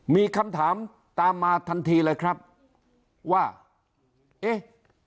มีคำถามตามมาทันทีเลยครับว่าเอ๊ะ